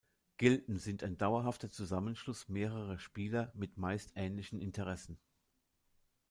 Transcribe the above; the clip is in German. Gilden sind ein dauerhafter Zusammenschluss mehrerer Spieler mit meist ähnlichen Interessen.